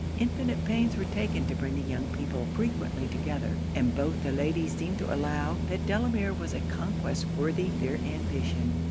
Infinite pains were taken to bring the young people frequently together; and both the ladies seemed to allow that Delamere was a conquest worthy their ambition.